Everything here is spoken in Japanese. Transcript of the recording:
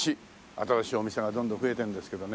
新しいお店がどんどん増えてるんですけどね。